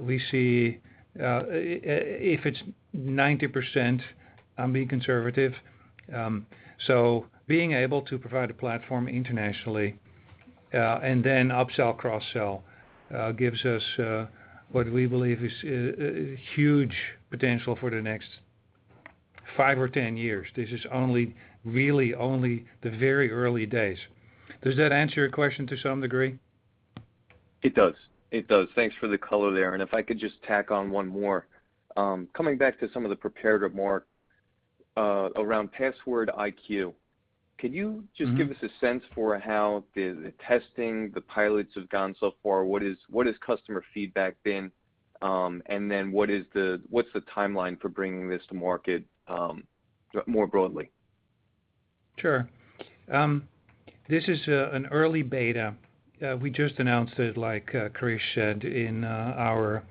we see if it's 90%, I'm being conservative. Being able to provide a platform internationally, and then upsell, cross-sell, gives us what we believe is huge potential for the next five or 10 years. This is only really the very early days. Does that answer your question to some degree? It does. Thanks for the color there. If I could just tack on one more. Coming back to some of the prepared remark around PasswordIQ. Can you just- Mm-hmm. Give us a sense for how the testing, the pilots have gone so far? What has customer feedback been? What's the timeline for bringing this to market, more broadly? Sure. This is an early beta. We just announced it, like, Krish said, in our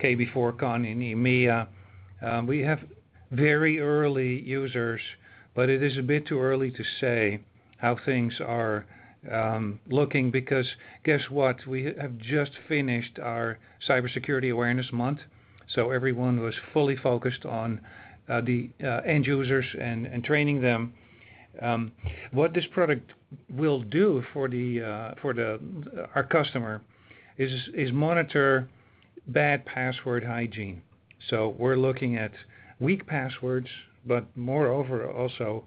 KB4-CON in EMEA. We have very early users, but it is a bit too early to say how things are looking. Because guess what, we have just finished our Cybersecurity Awareness Month, so everyone was fully focused on the end users and training them. What this product will do for our customer is monitor bad password hygiene. So we're looking at weak passwords, but moreover also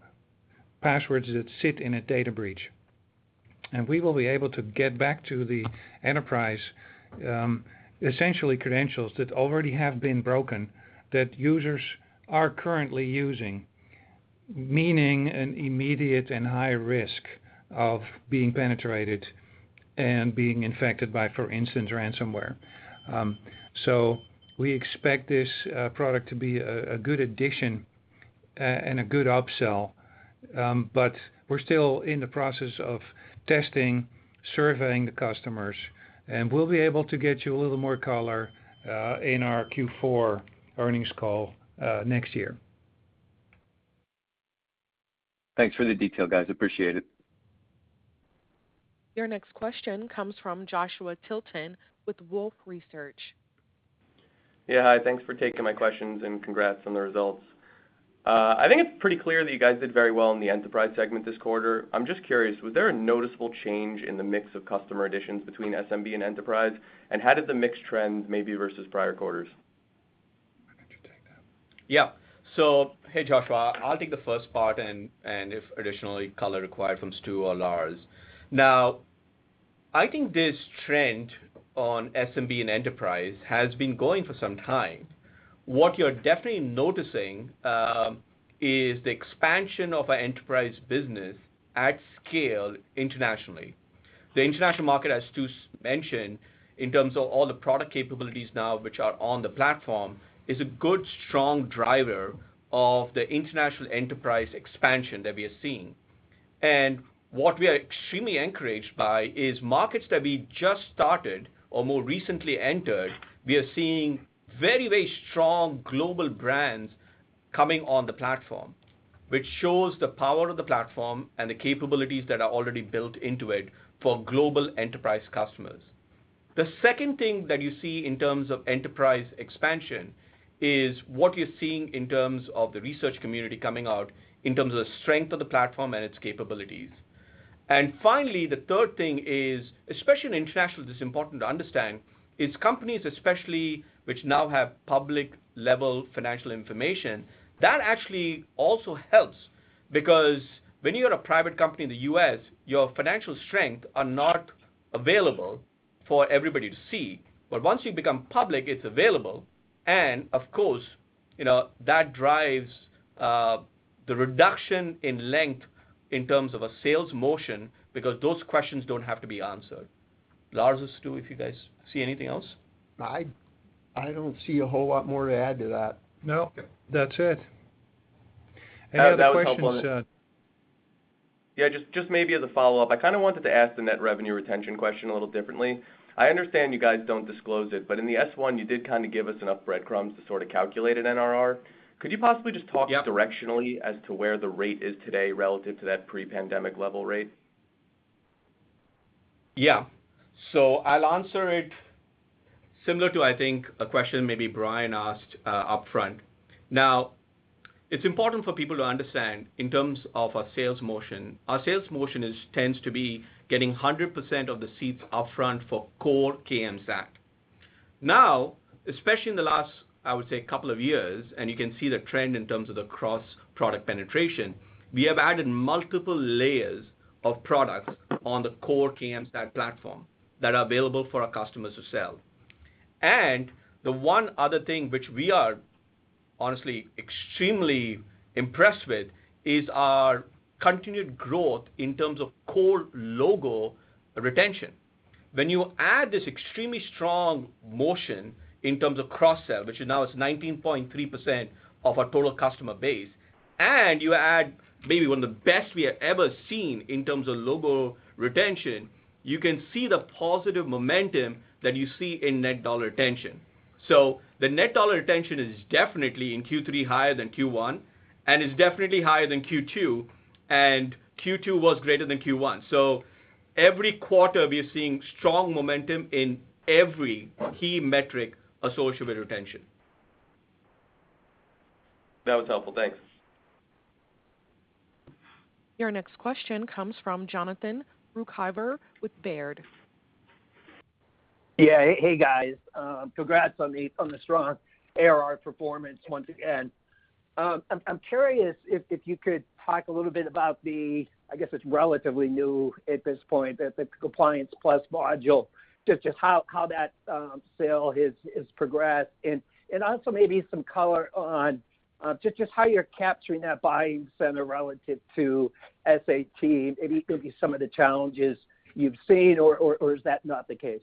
passwords that sit in a data breach. We will be able to get back to the enterprise essentially credentials that already have been broken that users are currently using, meaning an immediate and high risk of being penetrated and being infected by, for instance, ransomware. We expect this product to be a good addition and a good upsell. We're still in the process of testing, surveying the customers, and we'll be able to get you a little more color in our Q4 earnings call next year. Thanks for the detail, guys. Appreciate it. Your next question comes from Joshua Tilton with Wolfe Research. Yeah, hi. Thanks for taking my questions, and congrats on the results. I think it's pretty clear that you guys did very well in the enterprise segment this quarter. I'm just curious, was there a noticeable change in the mix of customer additions between SMB and enterprise? How did the mix trend maybe versus prior quarters? Why don't you take that? Yeah. Hey, Joshua. I'll take the first part and if additionally color required from Stu or Lars. Now, I think this trend on SMB and enterprise has been going for some time. What you're definitely noticing is the expansion of our enterprise business at scale internationally. The international market, as Stu's mentioned, in terms of all the product capabilities now which are on the platform, is a good strong driver of the international enterprise expansion that we are seeing. What we are extremely encouraged by is markets that we just started or more recently entered, we are seeing very, very strong global brands coming on the platform, which shows the power of the platform and the capabilities that are already built into it for global enterprise customers. The second thing that you see in terms of enterprise expansion is what you're seeing in terms of the research community coming out, in terms of strength of the platform and its capabilities. Finally, the third thing is, especially in international, it's important to understand, is companies especially which now have public level financial information, that actually also helps. Because when you're a private company in the U.S., your financial strength are not available for everybody to see. Once you become public, it's available. Of course, you know, that drives, the reduction in length in terms of a sales motion because those questions don't have to be answered. Lars or Stu, if you guys see anything else. I don't see a whole lot more to add to that. No. That's it. Any other questions? Yeah, just maybe as a follow-up, I kinda wanted to ask the net revenue retention question a little differently. I understand you guys don't disclose it, but in the S-1, you did kinda give us enough breadcrumbs to sorta calculate an NRR. Could you possibly just talk- Yeah. Directionally as to where the rate is today relative to that pre-pandemic level rate? Yeah. I'll answer it similar to, I think, a question maybe Brian asked upfront. Now, it's important for people to understand in terms of our sales motion. Our sales motion tends to be getting 100% of the seats upfront for core KMSAT. Now, especially in the last couple of years, and you can see the trend in terms of the cross-product penetration, we have added multiple layers of products on the core KMSAT platform that are available for our customers to sell. The one other thing which we are honestly extremely impressed with is our continued growth in terms of core logo retention. When you add this extremely strong motion in terms of cross-sell, which is now 19.3% of our total customer base, and you add maybe one of the best we have ever seen in terms of logo retention, you can see the positive momentum that you see in net dollar retention. The net dollar retention is definitely in Q3 higher than Q1, and is definitely higher than Q2, and Q2 was greater than Q1. Every quarter, we're seeing strong momentum in every key metric associated with retention. That was helpful. Thanks. Your next question comes from Jonathan Ruykhaver with Baird. Yeah. Hey, guys. Congrats on the strong ARR performance once again. I'm curious if you could talk a little bit about the, I guess it's relatively new at this point, the Compliance Plus module, just how that sale has progressed. Also maybe some color on, just how you're capturing that buying center relative to SAT, maybe could be some of the challenges you've seen or is that not the case?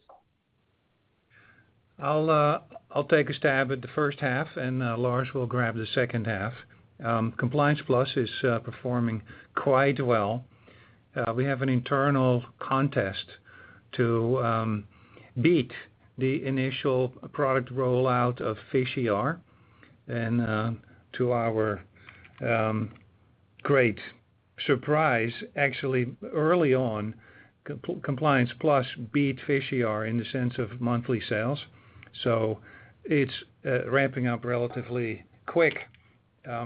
I'll take a stab at the first half, and Lars will grab the second half. Compliance Plus is performing quite well. We have an internal contest to beat the initial product rollout of PhishER. To our great surprise, actually early on, Compliance Plus beat PhishER in the sense of monthly sales. It's ramping up relatively quick.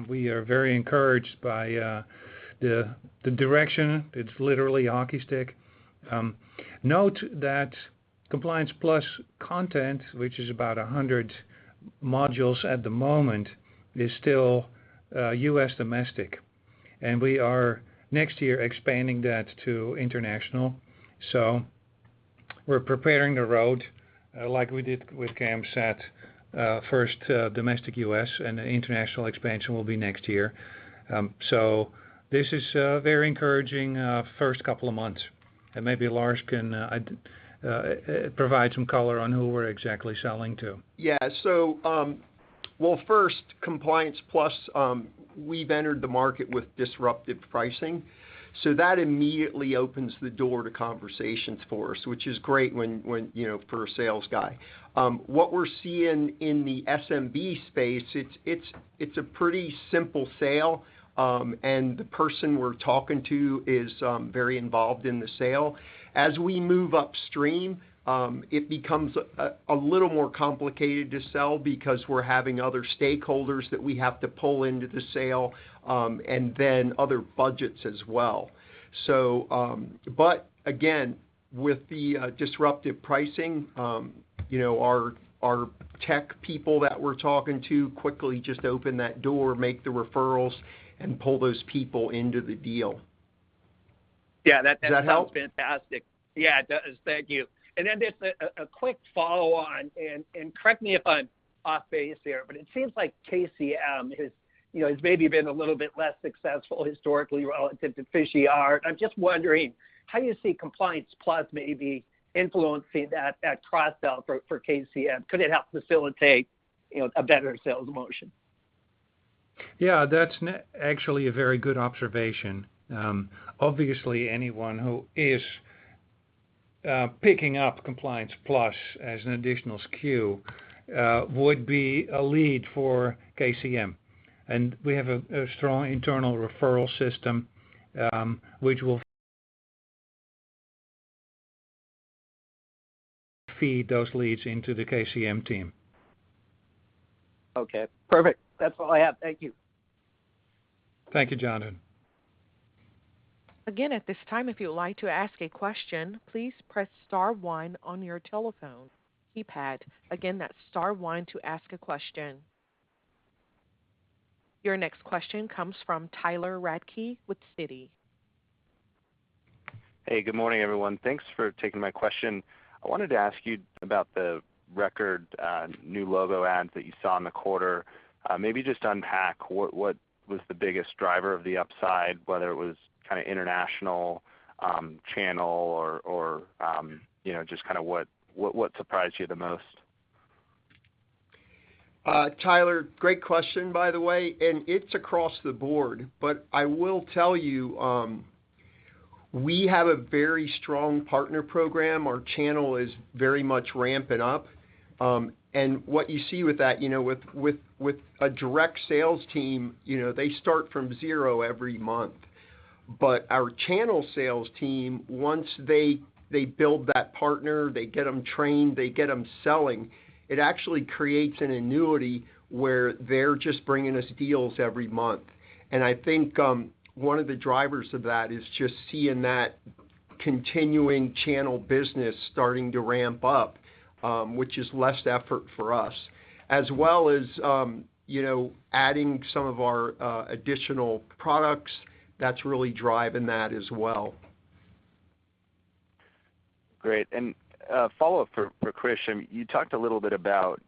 We are very encouraged by the direction. It's literally hockey stick. Note that Compliance Plus content, which is about 100 modules at the moment, is still U.S. domestic, and we are next year expanding that to international. We're preparing the road like we did with KMSAT, first domestic U.S. and international expansion will be next year. This is a very encouraging first couple of months. Maybe Lars can provide some color on who we're exactly selling to. Yeah. Well, first, Compliance Plus, we've entered the market with disruptive pricing, so that immediately opens the door to conversations for us, which is great when you know, for a sales guy. What we're seeing in the SMB space, it's a pretty simple sale, and the person we're talking to is very involved in the sale. As we move upstream, it becomes a little more complicated to sell because we're having other stakeholders that we have to pull into the sale, and then other budgets as well. But again, with the disruptive pricing, you know, our tech people that we're talking to quickly just open that door, make the referrals, and pull those people into the deal. Yeah, that. Does that help? It sounds fantastic. Yeah, it does. Thank you. Then just a quick follow on, and correct me if I'm off base here, but it seems like KCM has, you know, maybe been a little bit less successful historically relative to PhishER. I'm just wondering how you see Compliance Plus maybe influencing that cross sell for KCM. Could it help facilitate, you know, a better sales motion? Yeah, that's actually a very good observation. Obviously anyone who is picking up Compliance Plus as an additional SKU would be a lead for KCM. We have a strong internal referral system, which will feed those leads into the KCM team. Okay, perfect. That's all I have. Thank you. Thank you, Jonathan. Again, at this time, if you'd like to ask a question, please press star one on your telephone keypad. Again, that's star one to ask a question. Your next question comes from Tyler Radke with Citi. Hey, good morning, everyone. Thanks for taking my question. I wanted to ask you about the record new logo adds that you saw in the quarter. Maybe just unpack what was the biggest driver of the upside, whether it was kind of international channel or you know, just kind of what surprised you the most? Tyler, great question by the way, and it's across the board. I will tell you, we have a very strong partner program. Our channel is very much ramping up. What you see with that, you know, with a direct sales team, you know, they start from zero every month. Our channel sales team, once they build that partner, they get them trained, they get them selling, it actually creates an annuity where they're just bringing us deals every month. I think one of the drivers of that is just seeing that continuing channel business starting to ramp up, which is less effort for us, as well as, you know, adding some of our additional products that's really driving that as well. Great. A follow-up for Krish. You talked a little bit about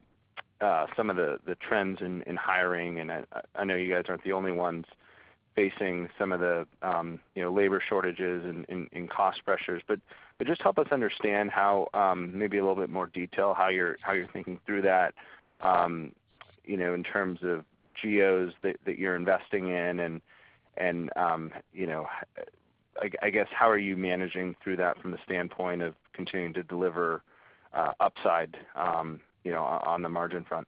some of the trends in hiring, and I know you guys aren't the only ones facing some of the, you know, labor shortages and cost pressures. Just help us understand how, maybe a little bit more detail how you're thinking through that. You know, in terms of geos that you're investing in and you know, I guess how are you managing through that from the standpoint of continuing to deliver upside, you know, on the margin front?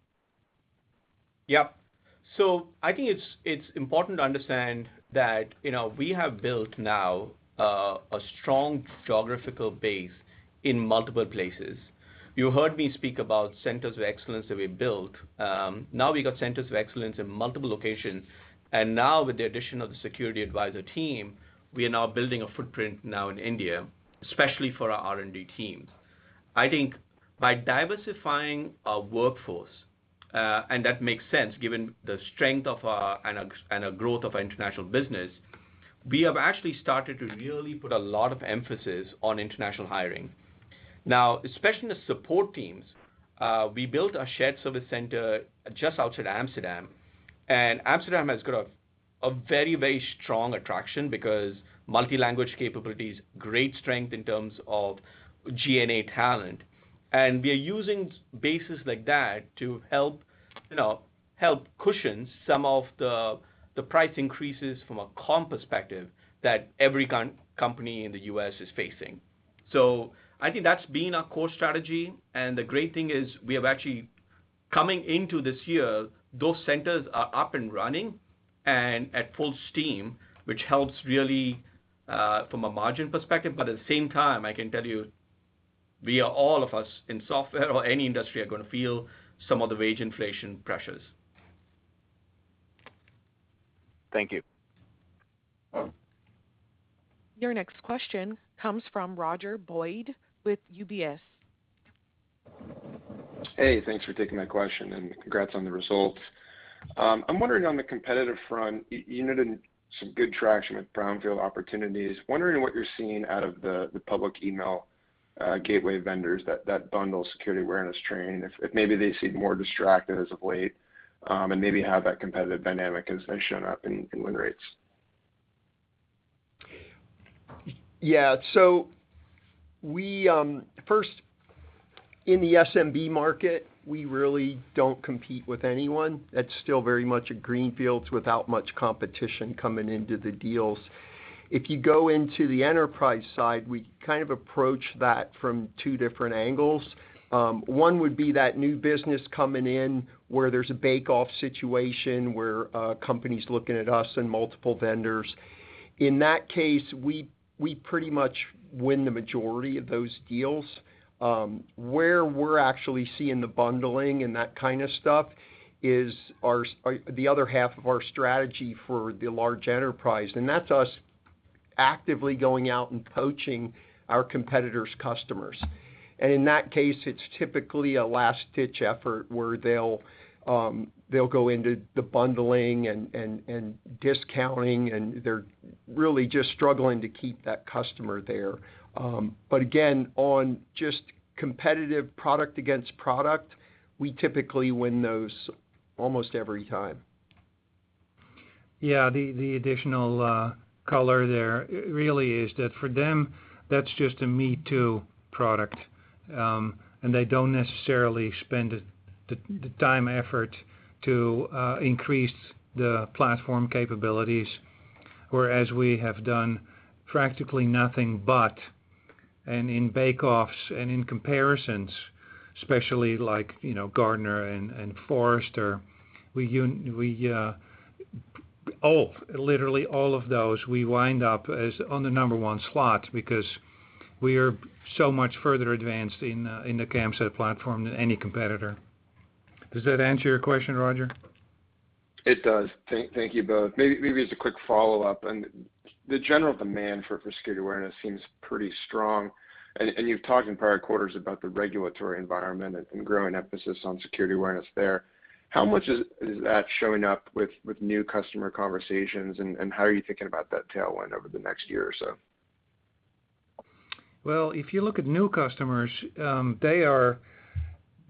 Yeah. I think it's important to understand that, you know, we have built now a strong geographical base in multiple places. You heard me speak about centers of excellence that we built. Now we've got centers of excellence in multiple locations. Now with the addition of the SecurityAdvisor team, we are building a footprint in India, especially for our R&D team. I think by diversifying our workforce, that makes sense given the strength of our growth of international business, we have actually started to really put a lot of emphasis on international hiring. Now, especially in the support teams, we built a shared service center just outside Amsterdam. Amsterdam has got a very strong attraction because multi-language capabilities, great strength in terms of G&A talent. We are using bases like that to help, you know, help cushion some of the price increases from a comp perspective that every company in the U.S. is facing. I think that's been our core strategy. The great thing is we have actually coming into this year, those centers are up and running and at full steam, which helps really from a margin perspective. At the same time, I can tell you, we are all of us in software or any industry are gonna feel some of the wage inflation pressures. Thank you. Your next question comes from Roger Boyd with UBS. Hey, thanks for taking my question, and congrats on the results. I'm wondering on the competitive front, you noted some good traction with brownfield opportunities. Wondering what you're seeing out of the public email gateway vendors that bundle security awareness training, if maybe they seem more distracted as of late, and maybe how that competitive dynamic has shown up in win rates? Yeah. We first in the SMB market, we really don't compete with anyone. That's still very much a greenfield without much competition coming into the deals. If you go into the enterprise side, we kind of approach that from two different angles. One would be that new business coming in where there's a bake-off situation where a company's looking at us and multiple vendors. In that case, we pretty much win the majority of those deals. Where we're actually seeing the bundling and that kind of stuff is the other half of our strategy for the large enterprise, and that's us actively going out and poaching our competitors' customers. In that case, it's typically a last-ditch effort where they'll go into the bundling and discounting, and they're really just struggling to keep that customer there. But again, on just competitive product against product, we typically win those almost every time. Yeah. The additional color there really is that for them, that's just a me-too product. They don't necessarily spend the time and effort to increase the platform capabilities, whereas we have done practically nothing but. In bake-offs and in comparisons, especially Gartner and Forrester, literally all of those, we wind up in the number one slot because we are so much further advanced in the KMSAT platform than any competitor. Does that answer your question, Roger? It does. Thank you both. Maybe just a quick follow-up. The general demand for security awareness seems pretty strong. You've talked in prior quarters about the regulatory environment and growing emphasis on security awareness there. How much is that showing up with new customer conversations, and how are you thinking about that tailwind over the next year or so? Well, if you look at new customers, they are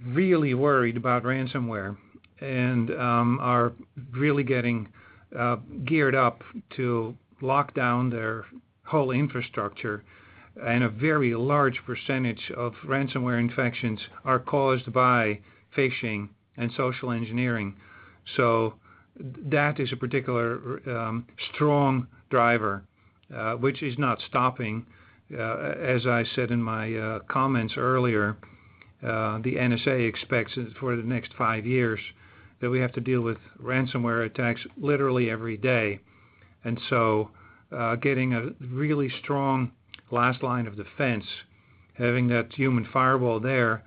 really worried about ransomware and are really getting geared up to lock down their whole infrastructure. A very large percentage of ransomware infections are caused by phishing and social engineering. That is a particular strong driver which is not stopping. As I said in my comments earlier, the NSA expects for the next five years that we have to deal with ransomware attacks literally every day. Getting a really strong last line of defense, having that human firewall there,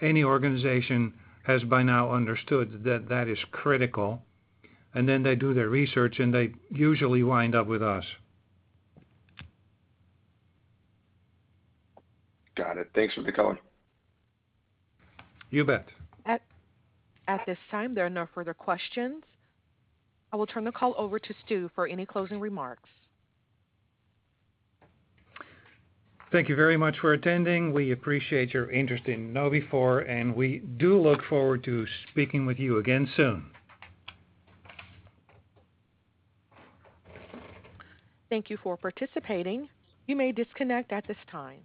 any organization has by now understood that that is critical. Then they do their research, and they usually wind up with us. Got it. Thanks for the color. You bet. At this time, there are no further questions. I will turn the call over to Stu for any closing remarks. Thank you very much for attending. We appreciate your interest in KnowBe4, and we do look forward to speaking with you again soon. Thank you for participating. You may disconnect at this time.